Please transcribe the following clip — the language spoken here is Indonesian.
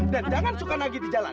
dan jangan suka nagih di jalan